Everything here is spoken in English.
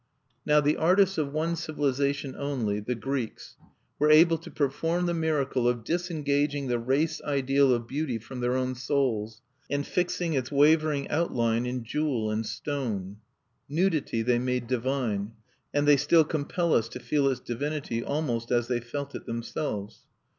Now, the artists of one civilization only the Greeks were able to perform the miracle of disengaging the Race Ideal of beauty from their own souls, and fixing its wavering out line in jewel and stone. Nudity, they made divine; and they still compel us to feel its divinity almost as they felt it themselves.